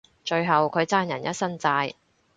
最後佢爭人一身債